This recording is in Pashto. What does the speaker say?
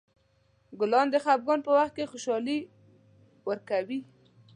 ګلان د خفګان په وخت خوشحالي ورکوي.